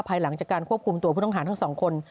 หลังจากการควบคุมตัวผู้ต้องหาทั้งสองคน